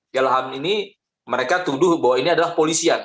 yalaham ini mereka tuduh bahwa ini adalah polisian